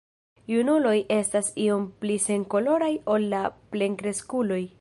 Junuloj estas iom pli senkoloraj ol la plenkreskuloj.